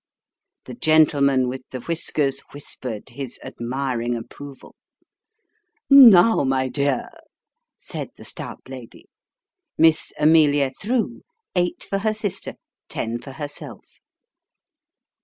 The gentleman with the whiskers whispered his admiring approval. 264 . Sketches by Boz. " Now, my dear !" said the stout lady. Miss Amelia threw eight for her sister, ten for herself.